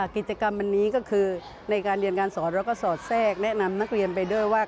กิจกรรมวันนี้ก็คือในการเรียนการสอนแล้วก็สอดแทรกแนะนำนักเรียนไปด้วยว่า